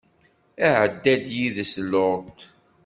Idda-d yid-s Luṭ.